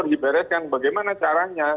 itu harus dibereskan bagaimana caranya